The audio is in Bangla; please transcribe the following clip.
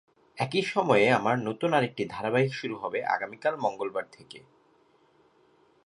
একই সময়ে আমার নতুন আরেকটি ধারাবাহিক শুরু হবে আগামীকাল মঙ্গলবার থেকে।